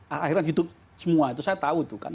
akhiran hidup semua itu saya tahu itu kan